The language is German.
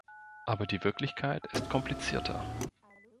Aber die Wirklichkeit ist komplizierter.